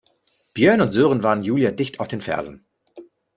Björn und Sören waren Julia dicht auf den Fersen.